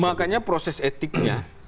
makanya proses etiknya